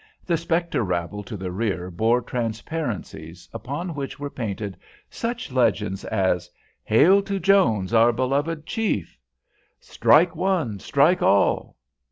The spectre rabble to the rear bore transparencies, upon which were painted such legends as, "Hail to Jones, our beloved Chief!" "Strike One, Strike All!"